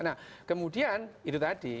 nah kemudian itu tadi